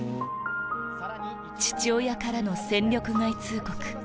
父親からの戦力外通告